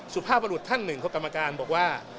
สุภาพบรุษท่านหนึ่งของกรรมการบอกว่า